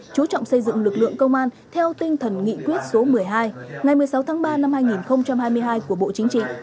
chú trọng xây dựng lực lượng công an theo tinh thần nghị quyết số một mươi hai ngày một mươi sáu tháng ba năm hai nghìn hai mươi hai của bộ chính trị